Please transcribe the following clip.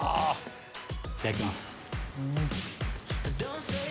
いただきます。